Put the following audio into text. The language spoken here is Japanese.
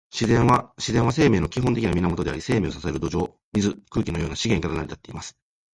自然は、生命の基本的な源であり、生命を支える土壌、水、空気のような資源から成り立っています。